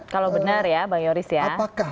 kalau benar ya bang yoris ya